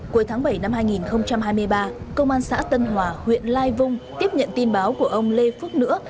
cuối tháng bảy năm hai nghìn hai mươi ba công an xã tân hòa huyện lai vung tiếp nhận tin báo của ông lê phước nữa